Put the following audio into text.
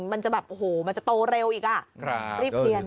มันจะโตเร็วอีกอ่ะเรียบเรียนนะครับ